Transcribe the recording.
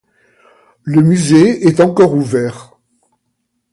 Le musée est encore ouvert.